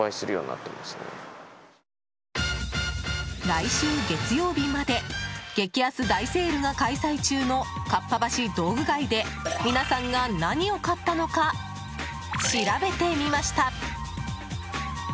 来週月曜日まで激安大セールが開催中のかっぱ橋道具街で皆さんが何を買ったのか調べてみました。